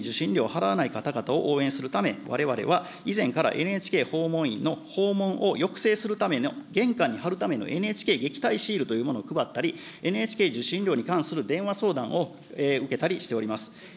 ＮＨＫに受信料を払わない方々を応援するため、われわれは以前からＮＨＫ訪問員の訪問を抑制するための玄関に貼るための、ＮＨＫ撃退シールというものを配ったり、ＮＨＫ受信料に関する電話相談を受けたりしております。